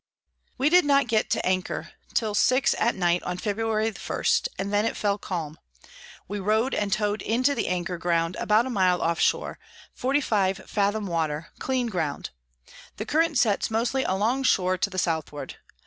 We did not get to anchor till six at night, on Febr. 1. and then it fell calm: we row'd and tow'd into the Anchor ground about a mile off shore, 45 fathom Water, clean Ground; the Current sets mostly along shore to the Southward.